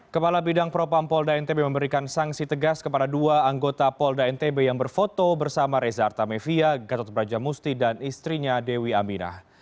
kepala bidang propam polda ntb memberikan sanksi tegas kepada dua anggota polda ntb yang berfoto bersama reza artamevia gatot brajamusti dan istrinya dewi aminah